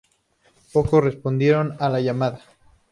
Pocos respondieron a la llamada.